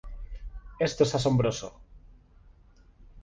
Esto es asombroso".